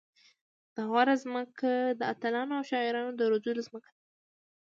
د غور ځمکه د اتلانو او شاعرانو د روزلو ځمکه ده